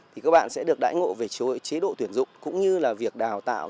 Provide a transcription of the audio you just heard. thì các bạn sẽ được đải ngộ về chế độ tuyển dụng cũng như là việc đào tạo